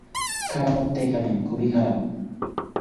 খারাপ আত্মা এখানে, খুবই খারাপ।